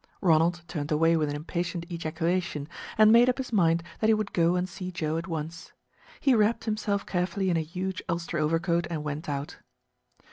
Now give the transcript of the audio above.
Ronald turned away with an impatient ejaculation, and made up his mind that he would go and see Joe at once. He wrapped himself carefully in a huge ulster overcoat and went out.